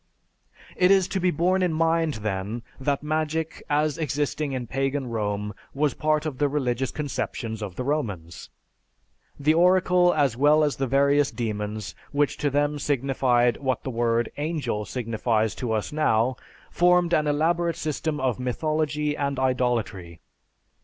It is to be borne in mind, then, that magic as existing in pagan Rome was part of the religious conceptions of the Romans. The oracle as well as the various demons, which to them signified what the word "angel" signifies to us now, formed an elaborate system of mythology and idolatry.